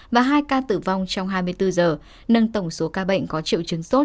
và hai ca tử vong trong hai mươi bốn giờ nâng tổng số ca bệnh có triệu chứng sốt